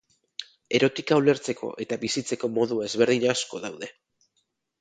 Erotika ulertzeko eta bizitzeko modu ezberdin asko daude.